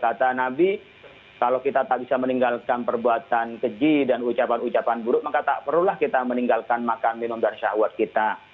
kata nabi kalau kita tak bisa meninggalkan perbuatan keji dan ucapan ucapan buruk maka tak perlulah kita meninggalkan makan minum dan syahwat kita